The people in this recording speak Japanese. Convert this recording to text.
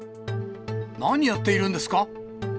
何やっているんですか？